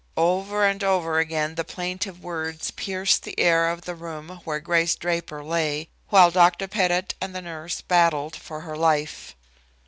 Over and over again the plaintive words pierced the air of the room where Grace Draper lay, while Dr. Pettit and the nurse battled for her life.